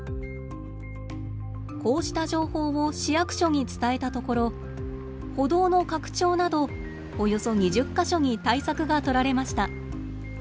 こうした情報を市役所に伝えたところ歩道の拡張などおよそ２０か所に対策がとられました。